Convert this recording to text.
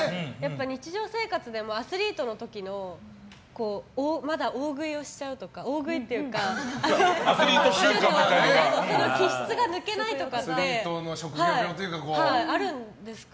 日常生活でもアスリートの時のまだ大食いをしちゃうとか大食いっていうかその気質が抜けないとかってあるんですか？